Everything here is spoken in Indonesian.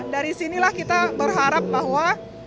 dari sinilah kita berharap bahwa